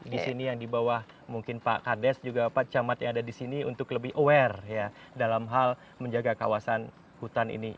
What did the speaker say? di sini yang di bawah mungkin pak kades juga pak camat yang ada di sini untuk lebih aware dalam hal menjaga kawasan hutan ini